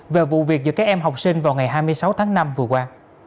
về vụ việc giữa các em học sinh vào ngày hai mươi sáu tháng năm vừa qua